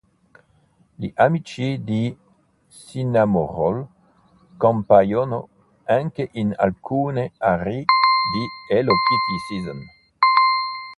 Gli amici di "Cinnamoroll" compaiono anche in alcune aree di "Hello Kitty Seasons".